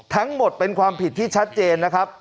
ทั้งหมดเป็นความผิดที่ชัดเจนนะครับ